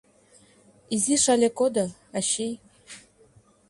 — Изиш але кодо, ачий.